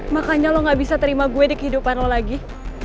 makanya lo gak bisa terima gue di kehidupan lo lagi